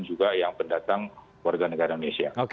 juga yang pendatang warga negara indonesia